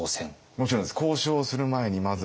もちろんです。